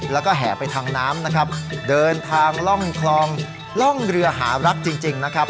แล้วก็แห่ไปทางน้ำนะครับเดินทางล่องคลองล่องเรือหารักจริงนะครับ